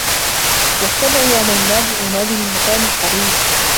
وَاستَمِع يَومَ يُنادِ المُنادِ مِن مَكانٍ قَريبٍ